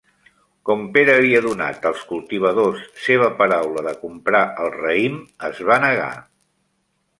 Com Pere havia donat als cultivadors seva paraula de comprar el raïm, es va negar.